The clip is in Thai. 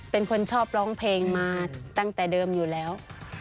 เป็นคนชอบร้องเพลงมาตั้งแต่เดิมอยู่แล้ว